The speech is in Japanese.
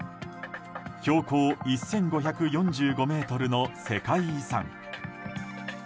標高１５４５ｍの世界遺産。